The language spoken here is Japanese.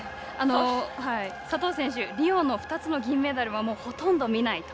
佐藤選手リオの２つの銀メダルはもうほとんど見ないと。